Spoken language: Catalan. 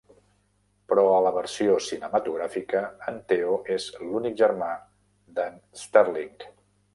Però a la versió cinematogràfica, en Theo es l'únic germà d'en Sterling.